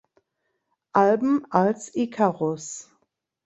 Alben (als "Icarus")